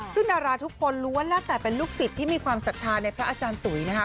ซึ่งดาราทุกคนล้วนแล้วแต่เป็นลูกศิษย์ที่มีความศรัทธาในพระอาจารย์ตุ๋ยนะคะ